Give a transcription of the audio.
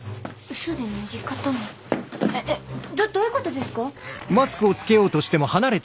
えっえっどどういうことですか？